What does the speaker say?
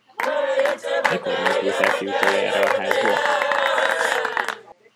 Mikor mozdultál ki utoljára a házból?